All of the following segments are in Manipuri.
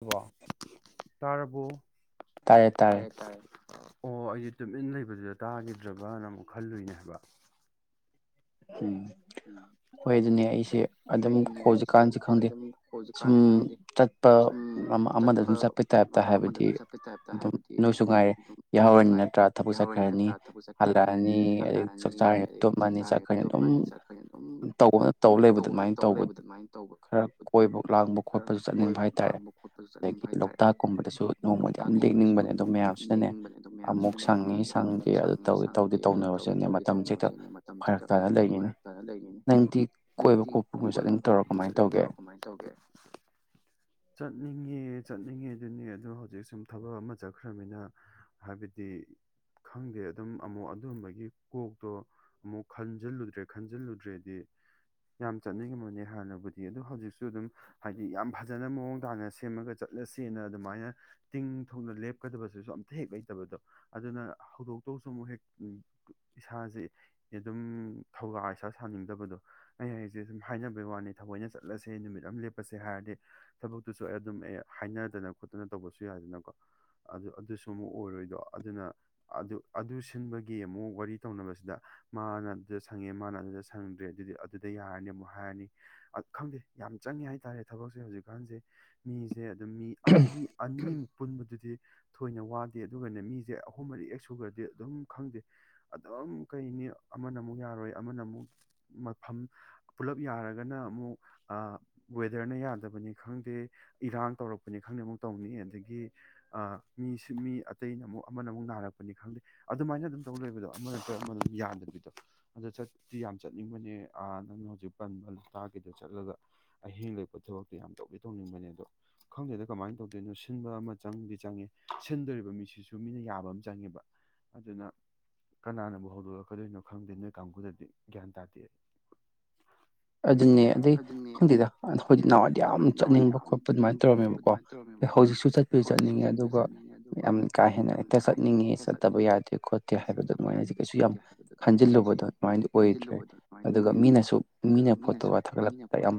ꯋꯥ ꯇꯥꯔꯕꯨ ꯇꯥꯏꯔꯌꯦ ꯇꯥꯏꯔꯌꯦ ꯑꯣ ꯑꯩꯗꯤ ꯇꯨꯃꯤꯟ ꯂꯩꯕꯗꯨꯗ ꯇꯥꯈꯤꯗ꯭ꯔꯕ꯭ꯔꯅ ꯑꯃꯨꯛ ꯈꯜꯂꯨꯏꯅꯦ ꯍꯥꯏꯕ ꯎꯝ ꯍꯣꯏ ꯑꯗꯨꯅꯦ ꯑꯩꯁꯦ ꯑꯗꯨꯝ ꯍꯧꯖꯤꯛꯀꯥꯟꯁꯨ ꯈꯪꯗꯦ ꯁꯨꯝ ꯆꯠꯄ ꯑꯃ ꯑꯃꯗ ꯁꯝ ꯆꯠꯄꯩ ꯇꯥꯏꯞꯇ ꯍꯥꯏꯕꯗꯤ ꯑꯗꯨꯝ ꯅꯣꯏꯁꯨ ꯉꯥꯏꯔꯦ ꯌꯥꯍꯧꯔꯅꯤ ꯅꯠꯇ꯭ꯔꯥ ꯊꯕꯛ ꯆꯠꯈ꯭ꯔꯅꯤ ꯍꯜꯂꯛꯑꯅꯤ ꯑꯗꯩ ꯆꯥꯛ ꯆꯔꯅꯤ ꯇꯨꯝꯃꯅꯤ ꯇ ꯃꯅꯤꯦ ꯇꯧꯕꯅ ꯇꯧ ꯂꯩꯕ ꯑꯗꯨꯃꯥꯏꯅ ꯇꯧꯕ ꯈꯔ ꯀꯣꯏꯕ ꯂꯥꯡꯕ ꯈꯣꯠꯄꯁꯨ ꯆꯠꯅꯤꯡꯕ ꯍꯥꯏ ꯇꯥꯔꯦ ꯑꯗꯒꯤ ꯂꯣꯛꯇꯥꯛꯀꯨꯝꯕꯗꯁꯨ ꯅꯣꯡꯃꯗꯤ ꯌꯥꯝ ꯂꯦꯛꯅꯤꯡꯕꯅꯦ ꯑꯗꯨꯗꯣ ꯃꯌꯥꯝꯁꯤꯅꯅꯦ ꯑꯃꯨꯛ ꯁꯪꯉꯤ ꯁꯪꯗꯦ ꯑꯗꯨ ꯇꯧ ꯇꯧꯗꯦ ꯇꯧꯅꯕꯁꯨꯅꯅꯦ ꯃꯇꯝꯁꯤꯦꯗ ꯐꯔ ꯖꯅ ꯂꯩꯅꯤꯅꯤ ꯐꯖꯅ ꯂꯩꯅꯤ ꯅꯪꯗꯤ ꯀꯣꯏꯕ ꯈꯣꯠꯄꯒ ꯑꯗꯨ ꯇꯧꯔ ꯀꯃꯥꯏꯅ ꯇꯧꯒꯦ ꯆꯠꯅꯤꯡꯉ ꯆꯠꯅꯤꯡꯉꯤꯗꯨꯅꯤ ꯑꯗꯨꯣ ꯍꯧꯖꯤꯛ ꯁꯨꯝ ꯊꯕꯛ ꯑꯃ ꯆꯠꯈ꯭ꯔꯅꯤꯅ ꯍꯥꯏꯕꯗꯤ ꯈꯪꯗꯦ ꯑꯗꯨꯝ ꯑꯃꯨꯛ ꯑꯗꯨꯝꯕꯒꯤ ꯀꯣꯛꯇꯣ ꯑꯃꯨꯛ ꯈꯟꯖꯤꯜꯂꯨꯗ꯭ꯔꯦ ꯈꯟꯖꯤꯜꯂꯨꯗ꯭ꯔꯦꯗꯤ ꯌꯥꯝ ꯆꯠꯅꯤꯡꯉꯕꯅꯦ ꯍꯥꯟꯅꯕꯨꯗꯤ ꯑꯗꯨꯗ ꯍꯧꯖꯤꯛꯁꯨ ꯑꯗꯨꯝ ꯍꯥꯏꯗꯤ ꯌꯥꯝ ꯐꯖꯅ ꯃꯑꯣꯡ ꯇꯥꯅ ꯁꯦꯝꯃꯒ ꯆꯠꯂꯁꯦꯅ ꯑꯗꯨꯃꯥꯏꯅ ꯇꯤꯡ ꯊꯣꯛꯅ ꯂꯦꯞꯀꯗꯕꯕꯁꯤꯁꯨ ꯑꯝꯇ ꯍꯦꯛ ꯂꯩꯇꯕꯗꯣ ꯑꯗꯨꯅ ꯍꯧꯗꯣꯛꯇꯧꯁꯨ ꯑꯃꯨꯛ ꯍꯦꯛ ꯏꯁꯥꯁꯦ ꯑꯗꯨꯝ ꯊꯧꯒꯥ ꯏꯁꯥ ꯁꯥꯅꯤꯡꯗꯕꯗꯣ ꯑꯩ ꯍꯁꯦ ꯁꯨꯝ ꯍꯥꯏꯅꯕꯩ ꯋꯥꯅꯤ ꯊꯑꯣꯏꯅ ꯆꯠꯂꯁꯦ ꯅꯨꯃꯤꯠ ꯑꯃ ꯂꯦꯞꯄꯁꯦ ꯍꯥꯏꯔꯗꯤ ꯊꯕꯛꯇꯨꯁꯨ ꯑꯩ ꯑꯗꯨꯝ ꯑꯦ ꯍꯥꯏꯅꯗꯅ ꯈꯣꯠꯇꯅ ꯇꯧꯕꯁꯨ ꯌꯥꯏꯗꯅꯀꯣ ꯑꯗꯨ ꯑꯗꯨꯁꯨ ꯑꯃꯨꯛ ꯑꯣꯏꯔꯣꯏꯗꯣ ꯑꯗꯨꯅ ꯑꯗꯨ ꯑꯗꯨ ꯁꯤꯟꯕꯒꯤ ꯑꯃꯨꯛ ꯋꯥꯔꯤ ꯇꯧꯅꯕꯁꯤꯗ ꯃꯥꯅ ꯑꯗꯨꯗ ꯁꯪꯉꯦ ꯃꯥꯅ ꯑꯗꯨꯗ ꯁꯪꯗ꯭ꯔꯦ ꯑꯗꯨꯗꯤ ꯑꯗꯨꯗ ꯌꯥꯔꯅꯤ ꯑꯃꯨꯛ ꯍꯥꯏꯔꯅꯤ ꯑ ꯈꯪꯗꯦ ꯌꯥꯝ ꯆꯪꯉꯦ ꯍꯥꯏꯇꯥꯔꯦ ꯊꯕꯛꯁꯦ ꯍꯧꯖꯤꯛꯀꯥꯟꯁꯦ ꯃꯤꯁꯦ ꯃꯤ ꯃꯤ ꯑꯅꯤ ꯄꯨꯟꯕꯗꯨꯗꯤ ꯊꯣꯏꯅ ꯋꯥꯗꯦ ꯑꯗꯨꯒꯅ ꯃꯤꯁꯦ ꯑꯍꯨꯝ ꯃꯔꯤꯛ ꯍꯦꯛ ꯁꯨꯒꯔꯗꯤ ꯑꯗꯨꯝ ꯈꯪꯗꯦ ꯑꯗꯨꯝ ꯀꯩꯅꯤ ꯑꯃꯅ ꯑꯃꯨꯛ ꯌꯥꯔꯣꯏ ꯑꯃꯅ ꯑꯃꯨꯛ ꯃꯐꯝ ꯄꯨꯂꯞ ꯌꯥꯔꯒꯅ ꯑꯃꯨꯛ ꯋꯦꯗꯔꯅ ꯌꯥꯗꯕꯅꯤ ꯈꯪꯗꯦ ꯏꯔꯥꯡ ꯇꯧꯔꯛꯄꯅꯤ ꯈꯪꯗꯦ ꯑꯃꯨꯛ ꯇꯧꯅꯤ ꯑꯗꯒꯤ ꯃꯤꯁꯨ ꯃꯤ ꯑꯇꯩꯅ ꯑꯃꯨꯛ ꯑꯃꯅ ꯑꯃꯨꯛ ꯅꯥꯔꯛꯄꯅꯤ ꯈꯪꯗꯦ ꯑꯗꯨꯃꯥꯏꯅ ꯑꯗꯨꯝ ꯇꯧꯗꯣꯏꯕꯗꯣ ꯑꯃ ꯅꯠꯇ ꯑꯃꯅꯝ ꯌꯥꯗꯕꯤꯗꯣ ꯑꯗ ꯆꯠꯇꯤ ꯌꯥꯝ ꯆꯠꯅꯤꯡꯕꯅꯦ ꯅꯪꯅ ꯍꯧꯖꯤꯛ ꯄꯟꯕ ꯂꯇꯥꯥꯛꯀꯤꯗ ꯆꯠꯂꯒ ꯑꯍꯤꯡ ꯂꯛꯄ ꯊꯕꯛꯇꯣ ꯌꯥꯝ ꯇꯧꯕꯤ ꯇꯧꯅꯤꯡꯕꯅꯦ ꯑꯗꯣ ꯈꯪꯗꯦꯗ ꯀꯃꯥꯏꯅ ꯇꯧꯗꯣꯏꯅꯣ ꯁꯤꯟꯕ ꯑꯃ ꯆꯪꯗꯤ ꯆꯪꯉꯦ ꯁꯤꯟꯗꯣꯔꯤꯕ ꯃꯤꯁꯤꯁꯨ ꯃꯤꯅ ꯌꯥꯕ ꯑꯃ ꯆꯪꯉꯦꯕ ꯑꯗꯨꯅ ꯀꯅꯥꯅꯕꯨ ꯍꯧꯗꯣꯔꯛꯀꯗꯣꯏꯅꯣ ꯈꯪꯗꯦ ꯅ ꯀꯥꯡꯕꯨꯗꯗꯤ ꯒ꯭ꯌꯥꯟ ꯇꯥꯗꯦ ꯑꯗꯨꯅꯦ ꯑꯗꯨꯗꯩ ꯈꯪꯗꯦꯗ ꯑꯩꯈꯣꯏ ꯅꯍꯋꯥꯏꯗꯤ ꯌꯥꯝ ꯆꯠꯅꯤꯡꯕ ꯈꯣꯠꯄ ꯑꯗꯨꯃꯥꯏꯅ ꯇꯧꯔꯝꯃꯦꯕꯀꯣ ꯍꯧꯖꯤꯛꯁꯨ ꯆꯠꯄꯁꯨ ꯆꯠꯅꯤꯡꯉꯦ ꯑꯗꯨꯒ ꯌꯥꯝ ꯀꯥ ꯍꯦꯟꯅ ꯍꯦꯛꯇ ꯆꯠꯅꯤꯡꯉꯦ ꯆꯠꯇꯕ ꯌꯥꯗꯦ ꯈꯣꯠꯇꯦ ꯍꯥꯏꯕꯗꯨ ꯑꯗꯨꯃꯥꯏꯅ ꯍꯧꯖꯤꯛ ꯀꯩꯁꯨ ꯌꯥꯝ ꯈꯟꯖꯤꯜꯂꯨ ꯗꯣ ꯑꯗꯨꯃꯥꯏꯅꯗꯤ ꯑꯣꯏꯗ꯭ꯔꯦ ꯑꯗꯨꯒ ꯃꯤꯅꯁꯨ ꯃꯤꯅ ꯐꯣꯇꯣꯒ ꯊꯥꯒꯠꯂꯛꯄ ꯌꯥꯝ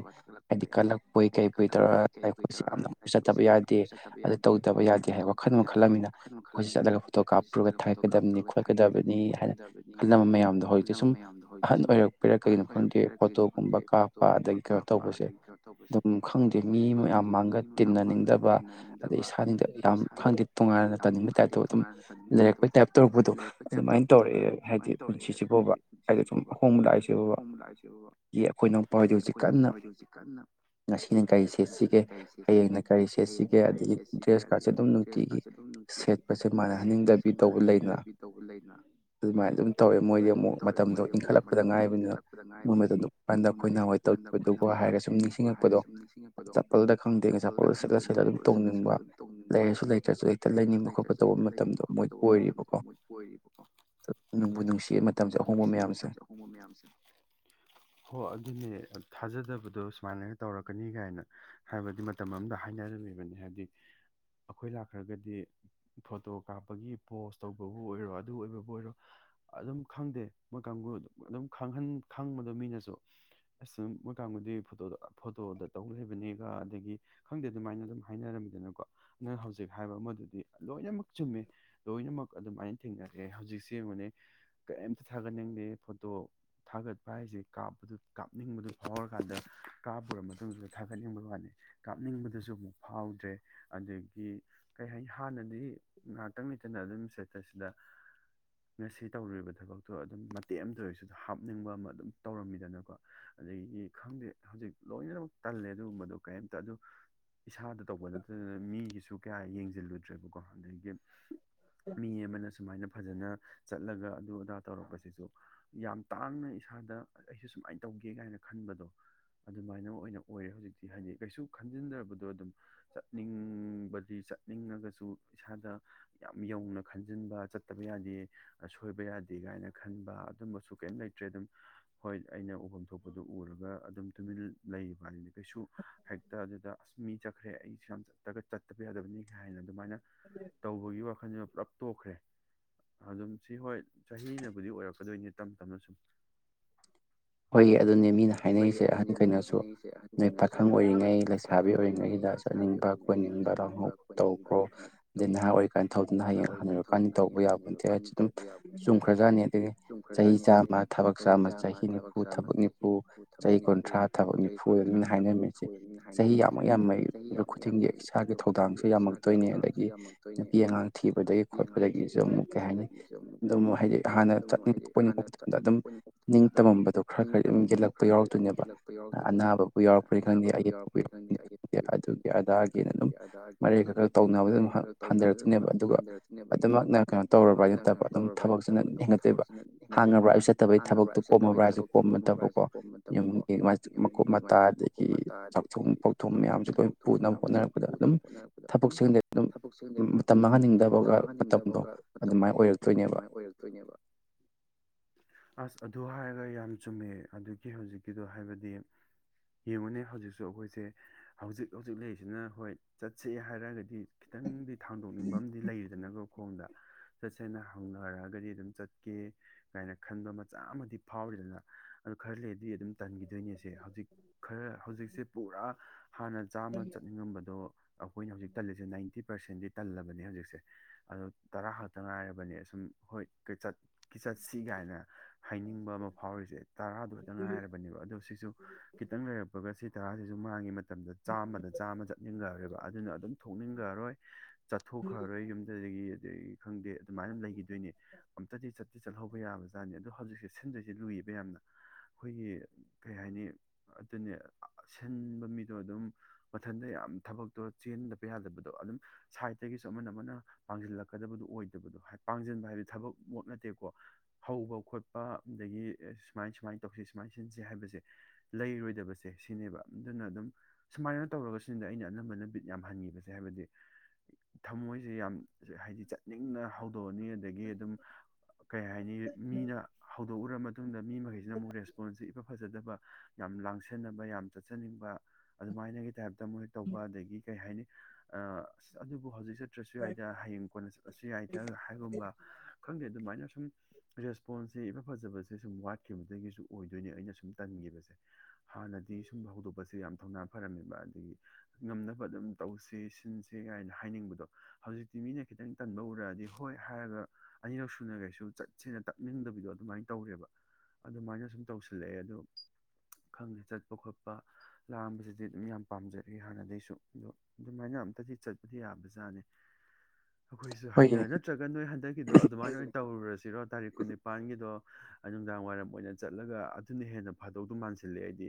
ꯍꯥꯏꯗꯤ ꯀꯜꯂꯛꯄꯣꯏ ꯀꯩꯄꯣꯏ ꯇꯧꯔ ꯑꯩꯈꯣꯏꯁ ꯌꯥꯝ ꯆꯠꯇꯕ ꯌꯥꯗꯦ ꯑꯗꯨ ꯇꯧꯗꯕ ꯌꯥꯗꯦ ꯍꯥꯏꯕ ꯋꯥꯈꯜ ꯑꯃ ꯈꯜꯂꯝꯅꯤꯅ ꯑꯩꯈꯣꯏꯁꯤ ꯆꯠꯂꯒ ꯐꯣꯇꯣ ꯀꯥꯞꯄꯨꯔꯒ ꯊꯥꯒꯠꯀꯗꯕꯅꯤ ꯈꯣꯠꯀꯗꯕꯅꯤ ꯍꯥꯏꯅ ꯈꯜꯂꯝꯕ ꯃꯌꯥꯝꯗꯣ ꯁꯨꯝ ꯑꯍꯟ ꯑꯣꯏꯔꯛꯄꯤꯔ ꯀꯒꯤꯩꯅꯣ ꯈꯪꯗꯦ ꯐꯣꯇꯣꯒꯨꯝꯕ ꯀꯥꯞꯄ ꯑꯗꯒꯤ ꯀꯩꯅꯣ ꯇꯧꯕꯁꯦ ꯑꯗꯨꯝ ꯈꯪꯗꯦ ꯃꯤ ꯃ ꯌꯥꯝ ꯃꯥꯡꯒ ꯇꯤꯟꯅꯅꯤꯡꯗꯕ ꯑꯗꯩ ꯏꯁꯥꯅꯤꯡꯗ ꯌꯥꯝ ꯈꯪꯗꯦ ꯇꯣꯉꯥꯟꯅ ꯇꯥꯅꯤꯡꯕ ꯇꯥꯏꯞꯇꯣ ꯑꯗꯨꯝ ꯂꯩꯔꯛꯄꯩ ꯇꯥꯏꯞ ꯇꯧꯔꯛꯄꯗꯣ ꯑꯗꯨꯃꯥꯏꯅ ꯇꯧꯔꯛꯑꯦ ꯍꯥꯏꯗꯤ ꯄꯨꯟꯁꯤꯁꯤ ꯍꯥꯏꯗꯤ ꯄꯨꯟꯁꯤꯁꯤ ꯐꯥꯎꯕ ꯍꯥꯏꯗꯤ ꯁꯨꯝ ꯑꯍꯣꯡꯕ ꯂꯥꯛꯏꯁꯤꯦ ꯑꯩꯈꯣꯏꯅꯣꯡꯄꯥꯥꯎꯗꯣꯛ ꯍꯧꯖꯤꯛ ꯀꯟꯅ ꯉꯁꯤꯅ ꯀꯔꯤ ꯁꯦꯠꯁꯤꯒꯦ ꯍꯌꯦꯡꯅ ꯀꯔꯤ ꯁꯦꯠꯁꯤꯒꯦ ꯑꯗꯒꯤ ꯗ꯭ꯔꯦꯁ ꯀꯥꯔꯠꯁꯦ ꯑꯗꯨꯝ ꯅꯨꯡꯇꯤꯒꯤ ꯁꯦꯠꯄꯁꯦ ꯃꯥꯅ ꯍꯥꯏꯟꯅꯤꯡꯗꯕꯤ ꯇꯧꯕ ꯂꯩꯅ ꯑꯗꯨꯃꯥꯏꯅ ꯑꯗꯨꯝ ꯇꯧꯋꯦ ꯃꯣꯏꯗꯤ ꯑꯗꯨꯝ ꯇꯧꯋꯦ ꯃꯣꯏꯗꯤ ꯑꯃꯨꯛ ꯃꯇꯝꯗꯣ ꯏꯟꯈꯠꯂꯛꯄꯗ ꯉꯥꯏꯕ ꯃꯇꯝꯗ ꯎꯀꯥꯟꯗ ꯑꯩꯈꯣꯏꯅ ꯍ ꯇꯧꯈꯤꯕꯗꯨꯒ ꯍꯥꯏꯔꯒ ꯁꯨꯝ ꯅꯤꯡꯁꯤꯡꯉꯛꯄꯗꯣ ꯆꯄꯜꯗ ꯈꯪꯗꯦꯒ ꯆꯄꯜꯗ ꯁꯠꯂ ꯁꯠꯂ ꯑꯗꯨꯝ ꯇꯧꯅꯤꯡꯕ ꯂꯩꯔꯁꯨ ꯂꯩꯇ꯭ꯔꯁꯨꯇ꯭ꯔ ꯂꯩꯅꯤꯡꯕ ꯈꯣꯠꯄ ꯇꯧꯕ ꯃꯇꯝꯗꯣ ꯃꯣꯏ ꯑꯣꯏꯔꯤꯕꯀꯣꯅꯨꯡꯕꯨ ꯅꯨꯡꯁꯤ ꯃꯇꯝ ꯅꯨꯡꯕꯨ ꯅꯨꯡꯁꯤ ꯃꯇꯝꯁꯦ ꯑꯍꯣꯡꯕ ꯃꯌꯥꯝꯁꯦ ꯍꯣ ꯑꯗꯨꯅꯦ ꯊꯥꯖꯗꯕꯗꯣ ꯁꯨꯃꯥꯏꯅꯒ ꯇꯧꯔꯛꯀꯅꯤ ꯀꯥꯏꯅ ꯍꯥꯏꯕꯗꯤ ꯃꯇꯝ ꯑꯃꯗ ꯍꯥꯏꯅꯔꯝꯃꯤꯕꯅꯦ ꯍꯥꯏꯗꯤ ꯑꯩꯈꯣꯏ ꯂꯥꯛꯈ꯭ꯔꯒꯗꯤ ꯐꯣꯇꯣ ꯀꯥꯞꯄꯒꯤ ꯄꯣꯁ ꯇꯧꯕꯕꯨ ꯑꯣꯏꯔꯣ ꯑꯗꯨ ꯑꯣꯏꯕꯕꯨ ꯑꯣꯏꯔꯣ ꯑꯗꯨꯝ ꯈꯪꯗꯦ ꯃꯣꯏ ꯀꯥꯡꯕꯨ ꯑꯗꯨꯝ ꯈꯪꯕꯗꯣ ꯃꯤꯅꯁꯨ ꯑꯁ ꯃꯣꯏ ꯀꯥꯡꯕꯨꯗꯤ ꯐꯣꯇꯣꯗ ꯐꯣꯇꯣꯗ ꯇꯧ ꯂꯩꯕꯅꯤꯒ ꯑꯗꯒꯤ ꯈꯪꯗꯦ ꯑꯗꯨꯃꯥꯏꯅ ꯑꯗꯨꯝ ꯍꯥꯏꯅꯔꯝꯃꯤꯗꯅꯀꯣ ꯑꯗꯨꯅ ꯍꯧꯖꯤꯛ ꯍꯥꯏꯕ ꯑꯃꯗꯨꯗꯤ ꯂꯣꯏꯅꯃꯛ ꯆꯨꯝꯃꯦ ꯂꯣꯏꯅꯃꯛ ꯑꯗꯨꯃꯥꯏꯅ ꯊꯦꯡꯅꯔꯛꯑꯦ ꯍꯧꯖꯤꯛꯁꯦ ꯌꯦꯡꯉꯣꯅꯦ ꯀꯔꯤꯝꯇ ꯊꯥꯒꯠꯅꯤꯡꯗꯦ ꯐꯣꯇꯣ ꯊꯥꯒꯠꯄ ꯍꯥꯏꯁꯦ ꯀꯥꯞꯄꯗꯨ ꯀꯥꯞꯅꯤꯡꯕꯗꯨ ꯐꯥꯎꯔꯀꯥꯟꯗ ꯀꯥꯞꯄꯒꯥ ꯃꯇꯨꯡꯗꯨꯗ ꯊꯥꯒꯠꯅꯤꯡꯕ ꯋꯥꯅꯤ ꯀꯥꯞꯅꯤꯡꯕꯗꯨꯁꯨ ꯑꯃꯨꯛ ꯐꯥꯎꯗ꯭ꯔꯦ ꯑꯗꯒꯤ ꯀꯔꯤ ꯍꯥꯏꯅꯤ ꯍꯥꯟꯅꯗꯤ ꯉꯥꯛꯇꯪꯅꯤꯗꯥꯅꯥ ꯑꯗꯨꯝ ꯁꯦꯠꯇꯁꯁꯤꯗ ꯉꯁꯤ ꯇꯧꯔꯨꯔꯤꯕꯗꯨ ꯊꯕꯛꯇꯣ ꯑꯗꯨꯝ ꯃꯇꯦꯛ ꯑꯃꯇ ꯑꯣꯏꯔꯁꯨ ꯍꯥꯞꯅꯤꯡꯕ ꯑꯃ ꯑꯗꯨꯝ ꯇꯧꯔꯝꯃꯤꯗꯅꯀꯣ ꯑꯗꯒꯤꯗꯤ ꯈꯪꯗꯦ ꯍꯧꯖꯤꯛ ꯂꯣꯏꯅꯃꯛ ꯇꯜꯂꯦ ꯑꯗꯨꯒꯨꯝꯕꯗꯣ ꯀꯔꯤꯝꯇ ꯑꯗꯨ ꯏꯁꯥꯗ ꯇꯧꯕ ꯅꯠꯇꯅ ꯃꯤꯒꯤꯁꯨ ꯀꯌꯥ ꯌꯦꯡꯖꯩ ꯁꯤ ꯂꯨꯠꯇ꯭ꯔꯦꯕꯀꯣ ꯑꯗꯒꯤ ꯃꯤ ꯑꯃꯅ ꯁꯨꯃꯥꯏꯅ ꯐꯖꯅ ꯆꯠꯂꯒ ꯑꯗꯨ ꯅꯥ ꯇꯧꯔꯛꯄꯁꯤꯁꯨ ꯌꯥꯝ ꯇꯥꯡꯅ ꯏꯁꯥꯗ ꯑꯩꯁꯨ ꯁꯨꯃꯥꯏꯅ ꯇꯧꯒꯦ ꯀꯥꯏꯅ ꯈꯟꯕꯗꯣ ꯑꯗꯨꯃꯥꯏꯅ ꯑꯣꯏꯅ ꯑꯣꯏꯔꯦ ꯍꯧꯖꯤꯛꯇꯤ ꯍꯥꯏꯗꯤ ꯀꯩꯁꯨ ꯈꯟꯖꯤꯟꯗꯕꯗꯣ ꯑꯗꯨꯝ ꯆꯠꯅꯤꯡꯕꯗꯤ ꯆꯠꯅꯤꯡꯉꯒꯁꯨ ꯏꯁꯥꯗ ꯌꯥꯝ ꯌꯧꯅ ꯈꯟꯖꯤꯟꯕ ꯆꯠꯇꯕ ꯌꯥꯗꯦ ꯁꯣꯏꯕ ꯌꯥ ꯗꯦ ꯀꯥꯏꯅ ꯈꯟꯕ ꯑꯗꯨꯝꯕꯁꯨ ꯀꯩꯝ ꯂꯩꯇ꯭ꯔꯦ ꯑꯗꯨꯝ ꯍꯣꯏ ꯑꯩꯅ ꯎꯐꯝ ꯊꯣꯛꯄꯗꯨ ꯎꯔꯒ ꯑꯗꯨꯝ ꯇꯨꯃꯤꯟ ꯂꯩꯕꯅꯤ ꯀꯩꯁꯨ ꯍꯦꯛꯇ ꯑꯗꯨꯗ ꯑꯁ ꯃꯤ ꯆꯠꯈ꯭ꯔꯦ ꯑꯩꯁꯨ ꯌꯥꯝ ꯆꯠꯇꯒ ꯆꯠꯇꯕ ꯌꯥꯗꯕꯅꯤ ꯊꯥꯏꯅꯥ ꯑꯗꯨꯃꯥꯏꯅ ꯇꯧꯕꯒꯤ ꯋꯥꯈꯜꯁꯨ ꯄꯨꯂꯞ ꯇꯣꯛꯈ꯭ꯔꯦ ꯑꯗꯨꯝ ꯁꯤ ꯍꯣꯏ ꯆꯍꯤꯅꯕꯨꯗꯤ ꯑꯣꯏꯔꯛꯀꯗꯣꯏꯅꯦ ꯇꯃ ꯇꯃꯅ ꯁꯨꯝ ꯍꯣꯏꯌꯦ ꯑꯩ ꯑꯗꯨꯅꯦ ꯃꯤꯅ ꯍꯥꯏꯅꯔꯤꯁꯦ ꯑꯍꯟꯈꯩꯅꯁꯨ ꯅꯣꯏ ꯄꯥꯈꯪ ꯑꯣꯏꯔꯤꯉꯩ ꯂꯩꯁꯥꯕꯤ ꯑꯣꯏꯔꯤꯉꯩꯗ ꯆꯠꯅꯤꯡꯕ ꯈꯣꯅꯤꯡꯕ ꯂꯥꯎꯍꯧ ꯇꯧꯈ꯭ꯔꯣ ꯑꯗꯩ ꯅꯍꯥ ꯑꯣꯏꯔꯤꯀꯥꯟꯗ ꯊꯧꯗꯨꯅ ꯍꯌꯦꯡ ꯑꯍꯟ ꯑꯣꯏꯔꯀꯥꯟꯗ ꯇꯧꯕ ꯌꯥꯕ ꯅꯠꯇꯦ ꯍꯥꯏꯁꯨ ꯑꯗꯨꯝ ꯆꯨꯝꯈ꯭ꯔꯖꯥꯠꯅꯤ ꯑꯗꯒꯤ ꯆꯍꯤ ꯆꯥꯝꯃ ꯊꯕꯛ ꯆꯥꯝꯃ ꯆꯍꯤ ꯅꯤ ꯥꯆꯝꯃꯥ ꯆꯍꯤꯅꯤ ꯆꯍꯤ ꯀꯨꯟꯊ꯭ꯔꯥ ꯊꯕꯛ ꯅꯤꯐꯨ ꯃꯤꯅꯥ ꯍꯥꯏꯅꯔꯝꯃꯤꯁꯦ ꯆꯍꯤ ꯌꯥꯝꯃꯛ ꯌꯥꯝꯃꯛꯏ ꯈꯨꯗꯤꯡꯒꯤ ꯏꯁꯥꯒꯤ ꯊꯧꯗꯥꯡꯁꯨ ꯌꯥꯝꯃꯛꯇꯣꯏꯅꯦ ꯑꯗꯒꯤ ꯅꯨꯄꯤ ꯑꯉꯥꯡ ꯊꯤꯕꯗꯒꯤ ꯈꯣꯠꯄꯗꯒꯤꯁꯨ ꯑꯃꯨꯛ ꯀꯩ ꯍꯥꯏꯅꯤ ꯑꯗꯨꯝ ꯍꯥꯏꯗꯤ ꯍꯥꯟꯅ ꯆꯠꯅꯤꯡꯕ ꯀꯅꯤꯡꯕ ꯃꯇꯝꯗ ꯑꯗꯨꯝ ꯅꯤꯡꯇꯝꯃꯝꯕꯗꯣ ꯈꯔꯥ ꯈꯔꯥꯗꯤ ꯑꯗꯨꯝ ꯏꯟꯖꯜꯂꯛ ꯈꯔ ꯈꯔ ꯌꯦꯡꯖꯤꯜ ꯂꯛꯄꯥ ꯌꯥꯎꯔꯛꯇꯣꯏꯅꯦꯕ ꯑꯅꯥꯕꯕꯨ ꯌꯥꯎꯔꯛꯄꯅꯤ ꯈꯪꯗꯦ ꯑꯩꯒꯤꯗꯤ ꯑꯗꯨꯒꯤ ꯑꯙꯥꯔꯒꯤꯅ ꯑꯗꯨꯝ ꯃꯔꯦꯛꯀ ꯈꯔ ꯇꯧꯅꯕꯗ ꯑꯗꯨꯝ ꯍꯟꯊꯔꯛꯈꯤꯅꯦꯕ ꯑꯗꯨꯒ ꯑꯗꯨꯃꯛꯅ ꯀꯩꯅꯣ ꯇꯧꯔꯕ꯭ꯔꯥ ꯍꯥꯏ ꯅꯠꯇꯕ ꯑꯗꯨꯝ ꯊꯕꯛꯁꯤꯅ ꯑꯗꯨꯝ ꯍꯦꯟꯒꯠꯇꯣꯏꯕ ꯍꯥꯟꯅꯕꯨ ꯑꯩꯁꯨ ꯆꯠꯇꯕꯒꯤ ꯊꯕꯛ ꯀꯣꯝ ꯅꯠꯇꯕꯀꯣ ꯌꯨꯝꯒꯤ ꯃꯀꯨꯞ ꯃꯇꯥ ꯑꯗꯒꯤ ꯆꯥꯛꯊꯣꯡ ꯄꯥꯎꯊꯣꯡ ꯃꯌꯥꯝꯁꯨ ꯂꯣꯏ ꯄꯨꯅꯕ ꯍꯣꯠꯅꯔꯛꯄꯗ ꯑꯗꯨꯝ ꯊꯕꯛꯁꯤꯡꯗ ꯑꯗꯨꯝ ꯃꯇꯝ ꯃꯥꯡꯍꯟꯅꯤꯡꯗꯕꯒ ꯃꯇꯝꯗꯣ ꯑꯗꯨꯃꯥꯏꯅ ꯑꯣꯏꯔꯛꯇꯣꯏꯅꯦꯕ ꯑꯗꯨ ꯍꯥꯏꯔꯒ ꯌꯥꯝ ꯆꯨꯝꯃꯦ ꯑꯗꯨ ꯀꯤ ꯍꯧꯖꯤꯛꯀꯤꯗꯣ ꯍꯥꯏꯕꯗꯤ ꯌꯦꯡꯉꯨꯅꯦ ꯍꯧꯖꯤꯛꯁꯨ ꯑꯩꯈꯣꯏꯁꯦ ꯍꯧꯖꯤꯛ ꯍꯧꯖꯤꯛ ꯂꯩꯔꯤꯁꯤꯅ ꯍꯣꯏ ꯆꯠꯁꯦ ꯍꯥꯏꯔꯒꯗꯤ ꯈꯤꯇꯪꯗꯤ ꯊꯥꯡꯗꯣꯛꯅꯤꯡꯕ ꯑꯃꯗꯤ ꯂꯩꯔꯤꯗꯅꯀꯣ ꯃꯈꯣꯡꯗ ꯆꯠꯁꯦꯅ ꯍꯧꯅꯔꯛꯑꯒꯗꯤ ꯑꯗꯨꯝ ꯆꯠꯀꯦ ꯀꯥꯏꯅ ꯈꯟꯕ ꯃꯆꯥ ꯑꯃꯗꯤ ꯐꯥꯎꯔꯤꯗꯅ ꯑꯗꯨ ꯈꯔ ꯂꯩꯔꯗꯤ ꯑꯗꯨꯝ ꯇꯟꯈꯤꯗꯣꯏꯅꯦꯁꯦ ꯍꯧꯖꯤꯛ ꯈꯔ ꯍꯧꯖꯤꯛꯁꯦ ꯄꯨꯔꯥ ꯍꯥꯟꯅ ꯆꯥꯝꯃ ꯆꯠꯅꯤꯡꯉꯝꯕꯗꯣ ꯑꯩꯈꯣꯏꯅ ꯍꯧꯖꯤꯛ ꯇꯜꯂꯤꯁꯦ ꯅꯥꯏꯟꯇꯤ ꯄꯥꯔꯁꯦꯟꯗꯤ ꯇꯜꯂꯕꯅꯦ ꯍꯧꯖꯤꯛꯁꯦ ꯑꯗꯣ ꯇꯔꯥ ꯈꯛꯇ ꯉꯥꯏꯔꯕꯅꯦ ꯑꯁꯨꯝ ꯍꯣꯏ ꯀꯣꯏꯆꯠ ꯀꯤ ꯆꯠꯁꯤ ꯀꯥꯏꯅ ꯍꯥꯏꯅꯤꯡꯕ ꯑꯃ ꯐꯥꯎꯔꯤꯁꯦ ꯇꯔꯥꯗꯨ ꯈꯛꯇ ꯉꯥꯏꯔꯕꯅꯦꯕ ꯑꯗꯣ ꯁꯤꯁꯨ ꯈꯤꯇꯪ ꯂꯩꯔꯛꯄꯒ ꯁꯤꯇꯥꯥꯁꯤꯁꯨ ꯃꯥꯡꯉꯤ ꯃꯠ ꯆꯥꯝꯃꯗ ꯆꯥꯝꯃ ꯆꯠꯃꯤꯟꯅꯔꯦꯕ ꯑꯗꯨꯅ ꯑꯗꯨꯝ ꯊꯣꯛꯅꯤꯡꯈ꯭ꯔꯔꯣꯏ ꯆꯠꯊꯣꯛꯈ꯭ꯔꯔꯣꯏ ꯌꯨꯝꯗꯨꯗꯒꯤ ꯂꯩꯩ ꯈꯪꯗꯦ ꯑꯗꯨꯃꯥꯏꯅ ꯂꯩꯈꯤꯗꯣꯏꯅꯤ ꯑꯝꯇꯗꯤ ꯆꯠꯇꯤ ꯆꯠꯍꯧꯕ ꯌꯥꯕꯖꯥꯠꯅꯤ ꯑꯗꯣ ꯍꯧꯖꯤꯛ ꯁꯟꯗꯁꯦ ꯂꯨꯏꯌꯦꯕ ꯌꯥꯝꯅ ꯑꯩꯈꯣꯏꯒꯤ ꯀꯩ ꯍꯥꯏꯅꯤ ꯑꯗꯨꯅꯦ ꯁꯤꯟꯕ ꯃꯤꯗꯣ ꯑꯗꯨꯝ ꯃꯊꯟꯇ ꯌꯥꯝ ꯊꯕꯛꯇꯣ ꯆꯦꯟꯗꯕ ꯌꯥꯗꯕꯗꯣ ꯑꯗꯨꯝ ꯁꯥꯏꯠꯇꯒꯤꯁꯨ ꯑꯃꯅ ꯑꯃꯅ ꯄꯥꯡꯁꯤꯜꯂꯛꯀꯗꯕꯗꯨꯣ ꯑꯣꯏꯗꯕꯗꯣ ꯄꯥꯡꯁꯤꯟꯕ ꯍꯥꯏꯕꯗꯤ ꯊꯕꯛ ꯃꯣꯠ ꯅꯠꯇꯦꯀꯣ ꯍꯧꯕ ꯈꯣꯠꯄ ꯑꯗꯒꯤ ꯁꯨꯃꯥꯏ ꯁꯨꯃꯥꯏꯅ ꯇꯧꯁꯤ ꯁꯨꯃꯥꯏꯅ ꯁꯤꯟꯁꯤ ꯍꯥꯏꯕꯁꯦ ꯂꯩꯔꯣꯏꯗꯕꯁꯦ ꯁꯤꯅꯦꯕ ꯑꯗꯨꯅ ꯑꯗꯨꯝ ꯁꯨꯃꯥꯏꯅ ꯇꯧꯔꯒ ꯁꯤꯟꯗ ꯑꯩꯅ ꯑꯅꯝꯕꯅꯕꯤꯠ ꯌꯥꯝ ꯍꯟꯈꯤꯕꯁꯦ ꯍꯥꯏꯕꯗꯤ ꯊꯃꯣꯏꯁꯦ ꯌꯥꯝ ꯍꯥꯏꯗꯤ ꯆꯠꯅꯤꯡꯅ ꯍꯧꯗꯣꯛꯑꯅꯤ ꯑꯗꯒꯤ ꯑꯗꯨꯝ ꯀꯩ ꯍꯥꯏꯅꯤ ꯃꯤꯅ ꯍꯧꯗꯣꯛꯎꯔ ꯃꯇꯨꯡꯗ ꯃꯈꯩꯁꯤꯅꯨꯛ ꯔꯦꯁꯣꯟꯁꯦ ꯐꯖꯗꯕ ꯌꯥꯝ ꯂꯥꯡꯁꯟꯅꯕ ꯌꯥꯝ ꯆꯠꯆꯅꯤꯡꯕ ꯑꯗꯨꯃꯥꯏꯅꯒꯤ ꯇꯥꯏꯞꯇ ꯃꯣꯏ ꯇꯧꯕ ꯑꯗꯒꯤ ꯀꯩ ꯍꯥꯏꯅꯤ ꯑꯗꯨꯕꯨ ꯍꯧꯖꯤꯛꯦ ꯆꯠꯇ꯭ꯔꯁꯨ ꯌꯥꯏꯗ ꯍꯌꯦꯡ ꯀꯣꯟꯅ ꯆꯠꯂꯁꯨ ꯌꯥꯏꯗ ꯍꯥꯏꯒꯨꯝꯕ ꯈꯪꯗꯦ ꯑꯗꯨꯃꯥꯏꯅ ꯁꯨꯝ ꯔꯦꯁꯄꯣꯟꯁꯁꯦ ꯏꯃ ꯐꯖꯕꯁꯦ ꯁꯨꯝ ꯋꯥꯠ ꯈꯤꯕꯗꯒꯤꯁꯨ ꯑꯣꯏꯗꯣꯏꯅꯦ ꯑꯩꯅ ꯁꯨꯝ ꯇꯟꯈꯤꯕꯁꯦ ꯍꯥꯟꯅꯗꯤ ꯁꯨꯝ ꯍꯧꯗꯣꯛꯄꯁꯦ ꯌꯥꯝ ꯊꯧꯅꯥ ꯐꯔꯝꯃꯦꯕ ꯑꯗꯒꯤ ꯉꯝꯅꯕ ꯑꯗꯨꯝ ꯇꯧꯁꯦ ꯁꯤꯟꯁꯦ ꯀꯥꯏꯅ ꯍꯥꯏꯅꯤꯡꯕꯗꯣ ꯍꯧꯖꯤꯛꯇꯤ ꯃꯤꯅ ꯈꯤꯇꯪ ꯇꯟꯕ ꯎꯔꯛꯑꯗꯤ ꯍꯣꯏ ꯍꯥꯏꯔꯒ ꯑꯅꯤꯔꯛ ꯁꯨꯅ ꯀꯩꯁꯨ ꯆꯠꯁꯦꯅ ꯇꯛꯅꯤꯡꯗꯕꯤꯗꯣ ꯑꯗꯨꯃꯥꯏꯅ ꯇꯧꯔꯦꯕ ꯑꯗꯨꯃꯥꯏꯅ ꯁꯨꯝ ꯇꯧꯁꯤꯜꯂꯛꯑꯦ ꯑꯗꯣ ꯈꯪꯗꯦ ꯆꯠꯄ ꯈꯣꯠꯄ ꯂꯥꯡꯕꯁꯤꯗꯤ ꯑꯗꯨꯝ ꯌꯥꯝ ꯄꯥꯝꯖꯔꯛꯑꯦ ꯍꯥꯟꯅꯗꯒꯤꯩꯁꯨ ꯑꯗꯣ ꯑꯗꯨꯃꯥꯏꯅ ꯑꯝꯇꯗꯤ ꯆꯠꯄꯗꯤ ꯌꯥꯕꯖꯥꯠꯅꯤ ꯑꯩꯈꯣꯏꯁꯨ ꯍꯥꯏꯅꯔ ꯅꯠꯇ꯭ꯔꯒ ꯅꯣꯏ ꯍꯟꯗꯛꯀꯤꯗꯣ ꯑꯗꯨꯃꯥꯏꯅ ꯑꯣꯏꯅ ꯇꯧꯔꯨꯔꯁꯤꯦ ꯖꯤꯔꯣ ꯇꯥꯔꯤꯛ ꯀꯨꯟꯅꯤꯄꯥꯜꯒꯤꯗꯣ ꯅꯨꯡꯗꯥꯡ ꯋꯥꯏꯔꯝ ꯃꯣꯏꯅ ꯆꯠꯂꯒ ꯑꯗꯨꯅ ꯍꯦꯟꯅ ꯐꯗꯧꯗꯧ ꯃꯥꯟꯁꯤꯜꯂꯦ ꯑꯩꯗꯤ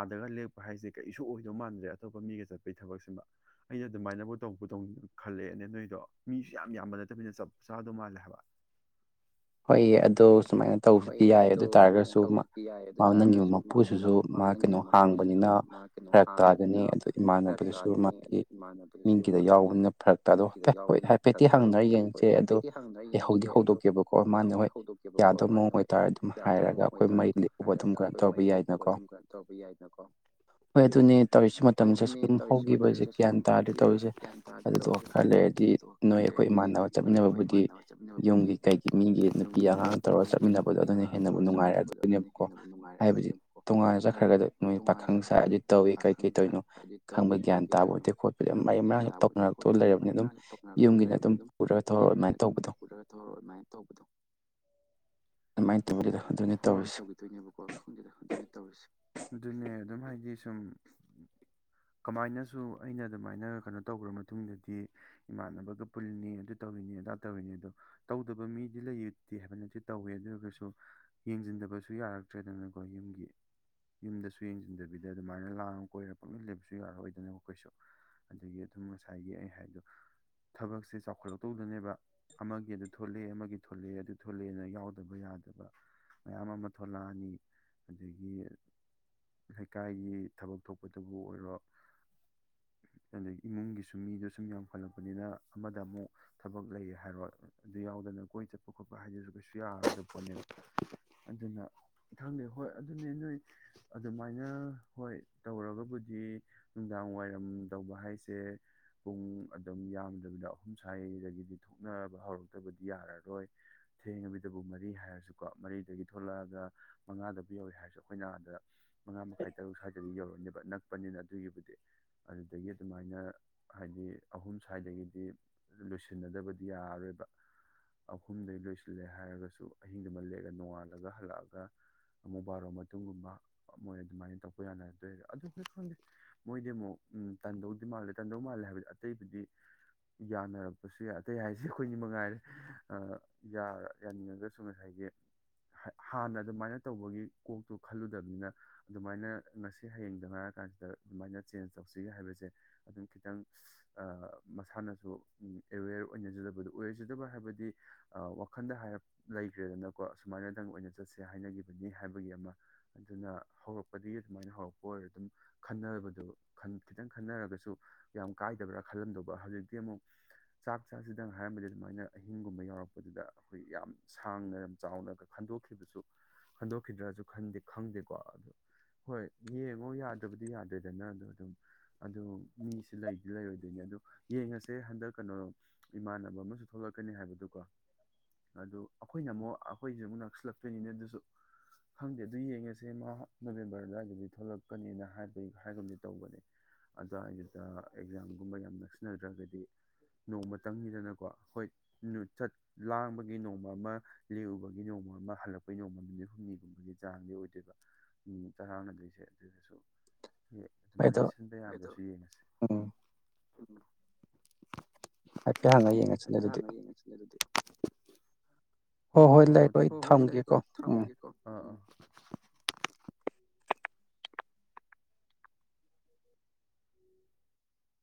ꯑꯥꯗꯒ ꯂꯦꯛꯄ ꯍꯥꯏꯁꯦ ꯀꯩꯁꯨ ꯑꯣꯏꯗꯧ ꯃꯥꯟꯗ꯭ꯔꯦ ꯑꯇꯣꯞꯄ ꯃꯤꯒ ꯆꯠꯄꯩ ꯊꯕꯛꯁꯤꯃ ꯑꯩꯩꯅ ꯑꯗꯨꯃꯥꯏꯅꯕꯨ ꯇꯧꯗꯧꯅꯤꯅ ꯈꯜꯂꯛꯑꯦꯅꯦ ꯅꯣꯏꯗꯣ ꯃꯤꯁꯨ ꯌꯥꯝ ꯌꯥꯝꯕ ꯅꯠꯇꯕꯅ ꯆꯞ ꯆꯥꯗꯧ ꯃꯥꯜꯂꯦ ꯍꯥꯏꯕ ꯍꯣꯏ ꯑꯗꯣ ꯁꯨꯃꯥꯏꯅ ꯇꯧꯕꯗꯤ ꯌꯥꯏ ꯑꯗꯨ ꯇꯥꯔꯒꯁꯨ ꯃꯥ ꯅꯪꯒꯤ ꯃꯄꯨꯁꯤꯁꯨ ꯃꯥ ꯀꯩꯅꯣ ꯍꯥꯡꯕꯅꯤꯅ ꯐꯔꯛ ꯇꯥꯗꯅꯤ ꯑꯗꯨ ꯏꯃꯥꯟꯅꯕꯗꯨꯁꯨ ꯃꯥꯒꯤ ꯃꯤꯒꯤꯗ ꯌꯥꯎꯕꯅꯤꯅ ꯐꯔꯛ ꯇꯥ ꯑꯗꯣ ꯍꯥꯏꯐꯦꯠ ꯍꯣꯏ ꯍꯥꯏꯐꯦꯠꯇꯤ ꯍꯥꯡꯅꯔ ꯌꯦꯡꯁꯦ ꯑꯗꯣ ꯑꯩ ꯍꯧꯗꯤ ꯍꯧꯗꯣꯛꯀꯦꯕ ꯑꯩ ꯍꯧꯗꯤ ꯍꯧꯗꯣꯛꯀꯦꯕꯀꯣ ꯏꯃꯥꯟꯅ ꯍꯣꯏ ꯌꯥꯗꯕ ꯃꯑꯣꯡ ꯑꯣꯏꯇꯥꯔꯗꯤ ꯑꯗꯨꯝ ꯍꯥꯏꯔꯒ ꯑꯩꯈꯣꯏ ꯃꯩ ꯂꯦꯛꯎꯕ ꯑꯗꯨꯝ ꯀꯩꯅꯣ ꯇꯧꯕ ꯌꯥꯏꯅꯀꯣ ꯍꯣꯏ ꯑꯗꯨꯅꯦ ꯇꯧꯔꯤꯁꯨ ꯃꯇꯝꯗ ꯁꯨꯝ ꯍꯧꯈꯤꯕꯁꯦ ꯀ꯭ꯌꯥ ꯇꯥꯔꯗꯤꯦ ꯇꯧꯔꯤꯁꯦ ꯑꯗꯨꯗ ꯈꯔ ꯂꯩꯔꯗꯤ ꯅꯣꯏ ꯑꯩꯈꯣꯏ ꯏꯃꯥꯟꯅꯕ ꯆꯞꯃꯤꯅꯕꯕꯨꯗꯤ ꯀꯩꯒꯤ ꯃꯤꯒꯤ ꯅꯨꯄꯤ ꯑꯉꯥꯡ ꯏꯃꯨꯡꯒꯤ ꯅꯨꯄꯤ ꯑꯉꯥꯡ ꯇꯧꯔꯒ ꯆꯠꯃꯤꯟꯅꯕꯗꯣ ꯑꯗꯨꯅ ꯍꯦꯟꯅꯕꯨ ꯅꯨꯡꯉꯥꯏꯔꯛꯑ ꯑꯗꯨꯣꯏꯅꯦꯕꯀꯣ ꯍꯥꯏꯕꯗꯤ ꯇꯣꯉꯥꯟꯅ ꯆꯠꯈ꯭ꯔꯒꯗ ꯅꯣꯏ ꯄꯥꯈꯪ ꯆꯥ ꯍꯥꯏꯗꯤ ꯇꯧꯋꯤ ꯀꯔꯤ ꯀꯔꯤ ꯇꯧꯔꯤꯅꯣ ꯈꯪꯕ ꯒ꯭ꯌꯥꯟ ꯇꯥꯕ ꯑꯣꯏꯗꯦ ꯈꯣꯠꯄꯗ ꯃꯔ ꯃꯔꯥꯡꯁꯨ ꯇꯧꯅꯔꯛꯇꯣ ꯂꯩꯔꯕꯅꯤ ꯑꯗꯨꯝ ꯌꯨꯝꯒꯤꯅ ꯑꯗꯨꯝ ꯄꯨꯔꯒ ꯊꯧꯔꯛꯑꯣ ꯑꯗꯨꯃꯥꯏꯅ ꯇꯧꯕꯗꯣ ꯃꯥꯏ ꯍꯣꯏ ꯇꯧꯈꯤꯗꯣꯏꯅꯦꯕꯀꯣ ꯈꯪꯗꯦ ꯈꯪꯗꯣꯏ ꯇꯧꯔꯤꯁꯦ ꯍꯥꯏꯗꯤ ꯁꯨꯝ ꯀꯃꯥꯏꯅꯁꯨ ꯑꯩꯅ ꯑꯗꯨꯃꯥꯏꯅ ꯀꯩꯅꯣ ꯇꯧꯈ꯭ꯔ ꯃꯇꯨꯡꯗꯗꯤ ꯏꯃꯥꯟꯅꯕꯒ ꯄꯨꯜꯂꯤꯅꯤ ꯑꯗꯨ ꯇꯧꯔꯤꯅꯤ ꯑꯗꯥ ꯇꯧꯔꯤꯅꯤ ꯑꯗꯣ ꯇꯧꯗꯕ ꯃꯤꯗꯤ ꯂꯩꯇꯦ ꯍꯥꯏꯕꯅꯗꯤ ꯇꯧꯏꯦ ꯑꯗꯨ ꯑꯣꯏꯔꯒꯁꯨ ꯌꯦꯡꯁꯤꯟꯗꯕꯁꯨ ꯌꯥꯔꯛꯇ꯭ꯔꯦꯗꯅꯀꯣ ꯌꯨꯝꯒꯤ ꯌꯨꯝꯗꯁꯨ ꯌꯦꯡꯁꯤꯟꯗꯕꯤꯗ ꯑꯗꯨꯃꯥꯏꯅ ꯂꯥꯡꯉ ꯀꯣꯏꯔ ꯄꯛꯃꯤꯦꯟ ꯂꯩꯕꯁꯨ ꯌꯥꯔꯑꯣꯏꯗꯅꯀ ꯀꯩꯁꯨ ꯑꯗꯒꯤ ꯑꯗꯨꯝ ꯉꯁꯥꯏꯒꯤ ꯑꯩ ꯍꯥꯏꯕꯗꯣ ꯊꯕꯛꯁꯦ ꯆꯥꯎꯈꯠꯂꯛꯇꯧꯗꯅꯦꯕ ꯑꯃꯒꯤ ꯑꯗꯨ ꯊꯣꯛꯣꯂꯛꯑꯦ ꯑꯃꯒꯤ ꯊꯣꯛꯂꯛꯑꯦ ꯑꯗꯨ ꯊꯣꯛꯂꯛꯑꯦꯅ ꯌꯥꯎꯗꯕ ꯌꯥꯗꯕ ꯃꯌꯥꯝ ꯑꯃ ꯊꯣꯛꯂꯛꯑꯅꯤ ꯑꯗꯒꯤ ꯂꯩꯀꯥꯏꯒꯤ ꯊꯕꯛ ꯊꯣꯛꯄꯗꯨꯕꯨ ꯑꯣꯏꯔꯣ ꯑꯗꯒꯤ ꯏꯃꯨꯡꯒꯤꯁꯨ ꯃꯤꯗꯣ ꯁꯨꯝ ꯌꯥꯝ ꯐꯠꯂꯛꯄꯅꯤꯅ ꯑꯃꯗ ꯑꯃꯨꯛ ꯊꯕꯛ ꯂꯩ ꯍꯥꯏꯔꯣ ꯑꯗꯨ ꯌꯥꯎꯗꯅ ꯀꯣꯏ ꯆꯠꯄ ꯈꯣꯠꯄ ꯍꯥꯏꯗꯁꯨ ꯀꯩꯁꯨ ꯌꯥꯔꯗꯕ ꯄꯣꯠꯅꯦꯕ ꯑꯗꯨꯅ ꯈꯪꯗꯦ ꯍꯣꯏ ꯑꯗꯨꯅꯦ ꯅꯣꯏ ꯑꯗꯨꯃꯥꯏꯅ ꯍꯣꯏ ꯇꯧꯔꯒꯕꯨꯗꯤ ꯅꯨꯡꯗꯥꯡ ꯋꯥꯏꯔꯝ ꯇꯧꯕ ꯍꯥꯏꯁꯦ ꯄꯨꯡ ꯑꯗꯨꯝ ꯌꯥꯝꯗꯕꯤꯗ ꯑꯍꯨꯝ ꯁ꯭ꯋꯥꯏꯗꯒꯤꯗꯤ ꯊꯣꯛꯅꯕ ꯍꯧꯔꯛꯇꯕꯗꯤ ꯌꯥꯔꯔꯣꯏ ꯊꯦꯡꯉꯕꯤꯗꯕꯨ ꯃꯔꯤ ꯍꯥꯏꯔꯁꯨ ꯀꯣ ꯃꯔꯤꯗꯒꯤ ꯊꯣꯛꯂꯛꯑꯒ ꯃꯉꯥꯗꯕꯨ ꯌꯧꯋꯦ ꯍꯥꯏꯔꯁꯨ ꯑꯩꯈꯣꯏꯅ ꯑꯗ ꯃꯉꯥ ꯃꯈꯥꯏ ꯇꯔꯨꯛ ꯁ꯭ꯏꯗꯗꯒꯤ ꯌꯧꯔꯅꯦꯕ ꯅꯪ ꯆꯠꯄꯅꯤꯅ ꯑꯗꯨꯒꯤꯕꯨꯗꯤ ꯑꯗꯨꯗꯒꯤ ꯑꯗꯨꯃꯥꯏꯅ ꯍꯥꯏꯗꯤ ꯑꯍꯨꯝ ꯁ꯭ꯋꯥꯏꯗꯒꯤꯗꯤ ꯂꯣꯏꯁꯤꯟꯅꯗꯕꯗꯤ ꯌꯥꯔꯔꯣꯏꯕ ꯑꯍꯨꯝꯗꯒꯤ ꯂꯣꯏꯁꯤꯜꯂꯦ ꯍꯥꯏꯔꯒꯁꯨ ꯍꯤꯡꯗꯨꯃ ꯂꯦꯛꯑꯒ ꯅꯣꯡꯉꯥꯜꯂꯒ ꯍꯜꯂꯛꯑꯒ ꯑꯃꯨꯛ ꯕꯥꯔꯣ ꯃꯇꯨꯡꯒꯨꯝꯕ ꯃꯣꯏ ꯑꯗꯨꯃꯥꯏꯅ ꯇꯧꯄ ꯌꯥꯅꯔꯗꯣꯏꯔ ꯑꯗꯨ ꯈꯪꯗꯦ ꯃꯣꯏꯗꯤ ꯑꯃꯨꯛ ꯎ ꯇꯥꯟꯗꯧꯗꯤ ꯃꯥꯜꯂꯦ ꯇꯥꯟꯗꯧ ꯃꯥꯜꯂꯦ ꯍꯥꯏꯕꯗꯤ ꯑꯇꯩꯕꯨꯗꯤ ꯌꯥꯅꯔꯛꯄꯁꯨ ꯌꯥꯏ ꯑꯇꯩ ꯍꯥꯏꯁꯦ ꯑꯩꯈꯣꯏꯅꯤ ꯃꯉꯥꯏꯔꯦ ꯌꯥꯅꯤꯡꯉꯒ ꯁꯨ ꯉꯁꯥꯏꯒꯤ ꯍꯥꯟꯅ ꯑꯗꯨꯃꯥꯏꯅ ꯇꯧꯕꯒꯤ ꯀꯣꯛꯇꯣ ꯈꯜꯂꯨꯗꯕꯅꯤꯅ ꯑꯗꯨꯃꯥꯏꯅ ꯉꯁꯤ ꯍꯌꯦꯡꯗ ꯉ ꯍꯥꯏꯔ ꯀꯥꯟꯁꯤꯗ ꯑꯗꯨꯃꯥꯏꯅ ꯆꯦꯟꯖ ꯇꯧꯁꯤꯒꯦ ꯍꯥꯏꯕꯁꯦ ꯑꯗꯨꯝ ꯈꯤꯇꯪ ꯃꯁꯥꯅꯁꯨ ꯑꯦꯋꯦꯔ ꯑꯣꯏꯅꯖꯗꯕꯗ ꯑꯣꯏꯖꯗꯕ ꯍꯥꯏꯕꯗꯤ ꯋꯥꯈꯜꯗ ꯍꯥꯏ ꯂꯩꯈ꯭ꯔꯦꯗꯅꯀꯣ ꯑꯁꯨꯃꯥꯏꯅꯗꯪ ꯑꯣꯏꯅ ꯆꯠꯁꯦ ꯍꯥꯏꯅꯈꯤꯕꯅꯤ ꯍꯥꯏꯕꯒꯤ ꯑꯃ ꯑꯗꯨꯅ ꯍꯧꯔꯛꯄꯗꯒꯤ ꯑꯗꯨꯃꯥꯏꯅ ꯍꯧꯔꯛꯄ ꯑꯣꯏꯔ ꯑꯗꯨꯝ ꯈꯟꯅꯕꯗꯣ ꯈꯤꯇꯪ ꯈꯟꯅꯔꯒꯁꯨ ꯌꯥꯝ ꯀꯥꯏꯗꯕ꯭ꯔꯥ ꯈꯜꯂꯝꯗꯧꯕ ꯍꯧꯖꯤꯛꯇꯤ ꯑꯃꯨꯛ ꯆꯥꯛ ꯆꯥꯁꯤꯗꯪ ꯍꯥꯏꯔꯝꯕꯗꯤ ꯑꯗꯨꯃꯥꯏꯅ ꯑꯍꯤꯡꯒꯨꯝꯕ ꯌꯥꯎꯔꯛꯄꯗꯨꯗ ꯑꯩꯈꯣꯏ ꯌꯥꯝ ꯁꯥꯡꯅ ꯌꯥꯝ ꯆꯥꯎꯅ ꯈꯟꯗꯣꯛꯈꯤꯕꯁꯨ ꯈꯟꯗꯣꯛꯈꯤꯗ꯭ꯔꯁꯨ ꯈꯟꯗꯦ ꯈꯪꯗꯦꯀꯣ ꯑꯗꯨ ꯍꯣꯏ ꯌꯦꯡꯉꯣ ꯌꯥꯗꯕꯗꯤ ꯌꯥꯗꯦꯗꯅ ꯑꯗꯣ ꯑꯗꯨꯝ ꯑꯗꯨ ꯃꯤꯁꯤ ꯂꯩꯗꯤ ꯂꯩꯔꯣꯏꯗꯣꯏꯅꯤ ꯑꯗꯨ ꯌꯦꯡꯉꯁꯦ ꯍꯟꯗꯛ ꯀꯩꯅꯣ ꯏꯃꯥꯟꯅꯕ ꯑꯃꯁꯨ ꯊꯣꯛꯂꯛꯀꯅꯤ ꯍꯥꯏꯕꯗꯨꯀꯣ ꯑꯗꯨ ꯑꯩꯈꯣꯏꯅ ꯑꯃꯨꯛ ꯑꯩꯈꯣꯏꯁꯨ ꯑꯃꯨꯛ ꯅꯛꯁꯤꯜꯂꯛꯇꯣꯏꯅꯤꯅꯦ ꯑꯗꯨꯁꯨ ꯈꯪꯗꯦ ꯑꯗꯨ ꯌꯦꯡꯉꯁꯦ ꯃꯥ ꯅꯕꯦꯝꯕꯔ ꯑꯗꯨꯋꯥꯏꯗꯗꯤ ꯊꯣꯛꯂꯛꯀꯅꯤꯅ ꯍꯥꯏꯕꯩ ꯍꯥꯏꯒꯗꯤ ꯇꯧꯕꯅꯦ ꯑꯗꯋꯥꯏꯗꯨꯗ ꯑꯦꯛꯖꯥꯝꯒꯨꯝꯕ ꯌꯥꯝ ꯅꯛꯁꯤꯟꯅꯗ꯭ꯔꯒꯗꯤ ꯅꯣꯡꯃꯇꯪꯅꯤꯤꯗꯅꯀꯣ ꯍꯣꯏ ꯆꯠ ꯂꯥꯡꯕꯒꯤ ꯅꯣꯡꯃ ꯅꯣꯡ ꯑꯃ ꯂꯦꯛꯎꯕꯒꯤ ꯅꯣꯡꯃ ꯑꯃ ꯍꯜꯂꯛꯄꯒꯤ ꯅꯣꯡꯃ ꯅꯨꯃꯤꯅꯤꯠ ꯍꯨꯝꯅꯤꯒꯨꯝꯕꯒꯤ ꯆꯥꯡꯗꯤ ꯑꯣꯏꯗꯣꯏꯕ ꯅꯨꯃꯤꯠ ꯆꯔꯥꯡꯅꯗꯣꯏꯁꯦ ꯑꯗꯨꯗꯁꯨ ꯑꯗꯨꯃꯥꯏꯅ ꯁꯤꯟꯕ ꯌꯥꯒ꯭ꯔꯁꯨ ꯌꯦꯡꯉꯁ [inaudible] ꯍꯥꯏꯐꯦꯒ ꯌꯦꯡꯉꯁꯤꯤꯟꯖ ꯑꯗꯨꯗꯤ ꯍꯣꯏ ꯍꯣꯏ ꯊꯝꯃꯣ ꯊꯝꯃꯣ ꯍꯣꯏ ꯂꯩꯈꯣꯏ ꯊꯝꯒꯦꯀꯣ ꯑꯥ ꯑ